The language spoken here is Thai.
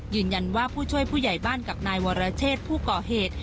ยืนยันว่าผู้ช่วยผู้ใหญ่บ้านกับนายวรเชษผู้ก่อเหตุ